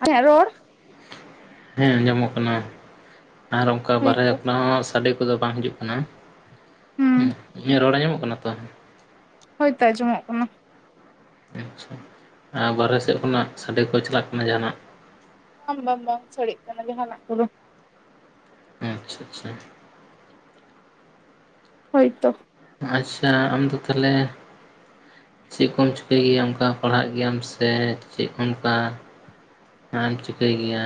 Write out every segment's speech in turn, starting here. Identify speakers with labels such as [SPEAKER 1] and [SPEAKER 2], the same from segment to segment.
[SPEAKER 1] [unintelligible] ᱟᱞᱤᱧᱟᱜ ᱨᱚᱲ
[SPEAKER 2] ᱦᱮᱸ ᱟᱸᱡᱚᱢᱚᱜ ᱠᱟᱱᱟ᱾ ᱟᱨ ᱚᱱᱠᱟ ᱵᱟᱨᱦᱮ
[SPEAKER 1] ᱦᱳᱭᱛᱚ
[SPEAKER 2] ᱦᱚᱸ ᱥᱟᱰᱮ ᱠᱚᱫᱚ ᱵᱟᱝ ᱦᱤᱡᱩᱜ ᱠᱟᱱᱟ᱾ ᱦᱩᱸ ᱤᱧᱟᱜ ᱨᱚᱲ ᱟᱡᱚᱢᱚᱜ ᱠᱟᱱᱟ? [unintelligible] ᱯᱚ
[SPEAKER 1] ᱦᱳᱭᱛᱳ ᱟᱸᱡᱚᱢᱚᱜ ᱠᱟᱱᱟ᱾
[SPEAKER 2] ᱟᱪᱪᱷᱟ ᱟᱨ ᱵᱟᱨᱦᱮ ᱥᱮᱫ ᱠᱷᱚᱱᱟᱜ ᱥᱟᱰᱮ ᱠᱚ ᱪᱟᱞᱟᱜ ᱠᱟᱱᱟ ᱡᱟᱦᱟᱱᱟᱜ
[SPEAKER 1] ᱵᱟᱝ ᱵᱟᱝ ᱵᱟᱝ ᱥᱟᱰᱮᱜ ᱠᱟᱱᱟ ᱡᱟᱦᱟᱱᱟᱜ ᱠᱚᱫᱚ
[SPEAKER 2] ᱟᱪᱪᱷᱟ ᱟᱪᱪᱷᱟ
[SPEAKER 1] ᱦᱳᱭᱛᱚ
[SPEAKER 2] ᱟᱪᱪᱷᱟ ᱟᱢᱫᱚ ᱛᱟᱦᱚᱞᱮ ᱪᱮᱫ ᱠᱚᱢ ᱪᱤᱠᱟᱹᱭ ᱜᱮᱭᱟ ᱚᱱᱠᱟ ᱯᱟᱲᱦᱟᱜ ᱜᱮᱭᱟᱢ ᱥᱮ ᱪᱮᱫ ᱚᱱᱠᱟ ᱦᱟᱜ ᱟᱢ ᱪᱤᱠᱟᱹᱭ ᱜᱮᱭᱟ